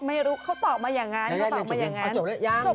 ไม่รู้เขาตอบมาอย่างนั้นให้ตอบไปอย่างนั้น